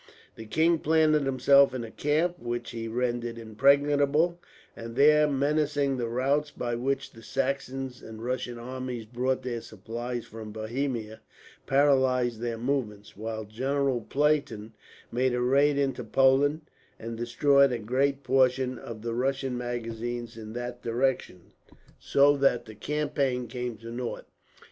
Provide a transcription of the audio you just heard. The king planted himself in a camp, which he rendered impregnable, and there menacing the routes by which the Saxon and Russian armies brought their supplies from Bohemia, paralysed their movements; while General Platen made a raid into Poland, and destroyed a great portion of the Russian magazines in that direction, so that the campaign came to naught.